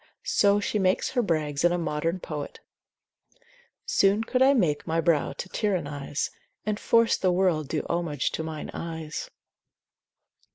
So she makes her brags in a modern poet, Soon could I make my brow to tyrannise, And force the world do homage to mine eyes.